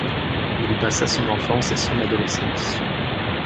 Il y passa son enfance et son adolescence.